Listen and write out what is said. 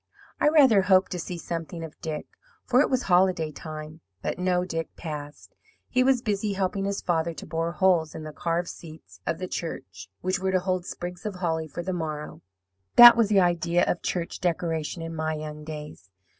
I rather hoped to see something of Dick, for it was holiday time; but no Dick passed. He was busy helping his father to bore holes in the carved seats of the church, which were to hold sprigs of holly for the morrow that was the idea of church decoration in my young days.